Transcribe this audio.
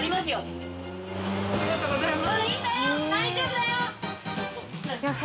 松原Ｄ）ありがとうございます。